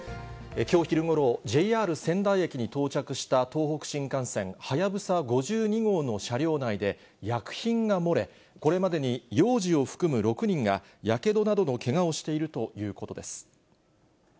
きょう昼ごろ、ＪＲ仙台駅に到着した東北新幹線はやぶさ５２号の車両内で薬品が漏れ、これまでに幼児を含む６人がやけどなどのけがをしているということです。